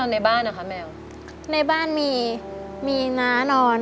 ทั้งในเรื่องของการทำงานเคยทำนานแล้วเกิดปัญหาน้อย